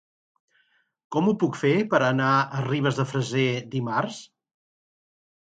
Com ho puc fer per anar a Ribes de Freser dimarts?